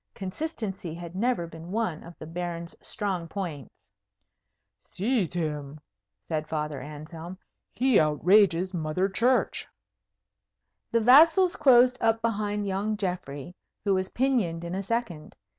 Consistency had never been one of the Baron's strong points. "Seize him!" said Father Anselm. "He outrages Mother Church." The vassals closed up behind young Geoffrey, who was pinioned in a second.